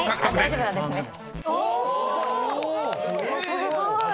すごい！